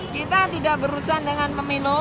kita tidak berurusan dengan pemilu